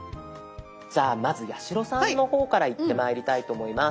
じゃあまず八代さんの方からいってまいりたいと思います。